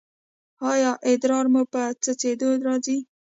ایا ادرار مو په څڅیدو راځي؟